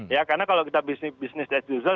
ya karena kalau kita bisnis as usual